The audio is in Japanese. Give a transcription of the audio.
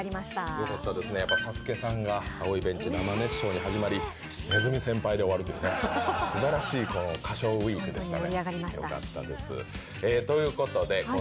よかったですね、サスケさんが「青いベンチ」生熱唱に始まり、鼠先輩で終わるというね、すばらしい歌唱ウィークでしたね。